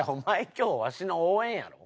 今日わしの応援やろ？